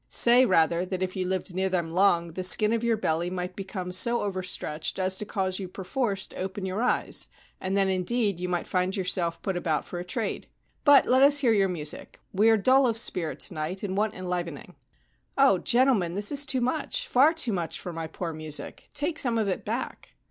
Say, rather, that if you lived near them long the skin of your belly might become so overstretched as to cause you perforce to open your eyes, and then indeed you might find yourself put about for a trade. But let us hear your music. We are dull of spirit to night, and want enlivening/ * Oh, gentlemen, this is too much, far too much, for my poor music ! Take some of it back.'